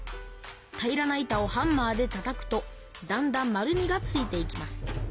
平らな板をハンマーでたたくとだんだん丸みがついていきます。